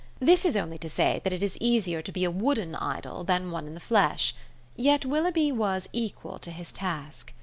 This is only to say that it is easier to be a wooden idol than one in the flesh; yet Willoughby was equal to his task.